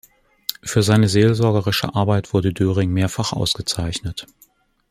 Für seine seelsorgerische Arbeit wurde Doering mehrfach ausgezeichnet.